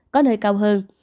có nơi cao hơn